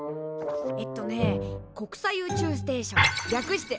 えっとね国際宇宙ステーション略してＩＳＳ。